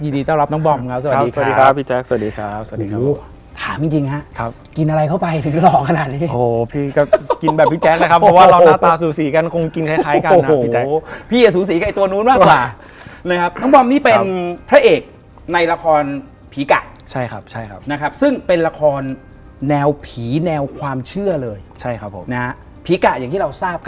ยินดีต้อนรับน้องบอมครับสวัสดีครับ